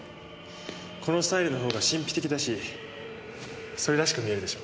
このスタイルの方が神秘的だしそれらしく見えるでしょ？